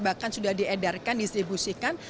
bahkan sudah diedarkan distribusikan